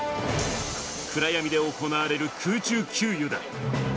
暗闇で行われる空中給油だ。